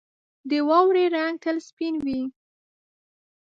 • د واورې رنګ تل سپین وي.